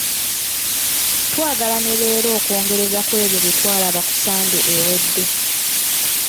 Twagala ne leero okwongereza ku ebyo bye twalaba ku Ssande ewedde.